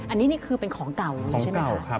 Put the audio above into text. อันนี้นี่คือเป็นของเก่าใช่ไหมคะ